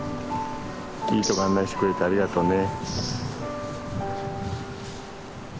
いいとこ案内してくれてありがとうね。